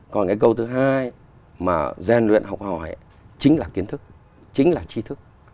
còn cái câu thứ hai mà rèn luyện học hỏi chính là kiến thức chính là tri thức